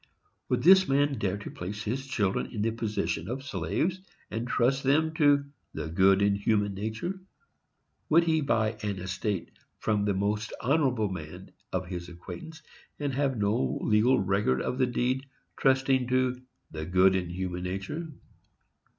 Would this man dare to place his children in the position of slaves, and trust them to "the good in human nature"? Would he buy an estate from the most honorable man of his acquaintance, and have no legal record of the deed, trusting to "the good in human nature"?